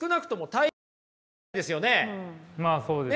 まあそうですね。